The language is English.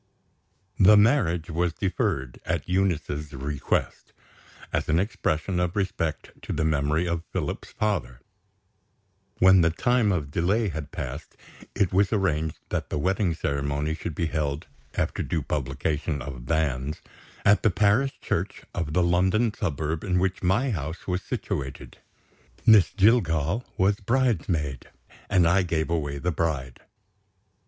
The marriage was deferred, at Eunice's request, as an expression of respect to the memory of Philip's father. When the time of delay had passed, it was arranged that the wedding ceremony should be held after due publication of Banns at the parish church of the London suburb in which my house was situated. Miss Jillgall was bridesmaid, and I gave away the bride.